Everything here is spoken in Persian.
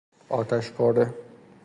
آتشپاره